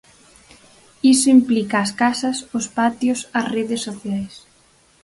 Iso implica as casas, os patios, as redes sociais.